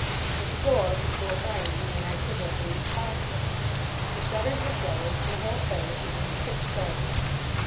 But the door took more finding than I could have believed possible. The shutters were closed and the whole place was in pitch darkness.